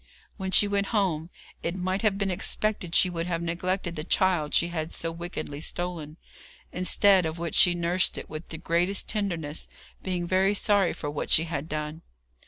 When she went home, it might have been expected she would have neglected the child she had so wickedly stolen, instead of which she nursed it with the greatest tenderness, being very sorry for what she had done.